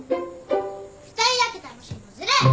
２人だけ楽しいのずるい！